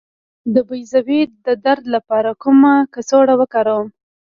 د بیضو د درد لپاره کومه کڅوړه وکاروم؟